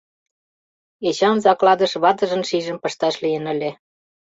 Эчан закладыш ватыжын шийжым пышташ лийын ыле.